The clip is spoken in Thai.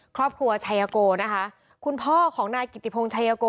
ครอบครัวชัยโกนะคะคุณพ่อของนายกิติพงชายโก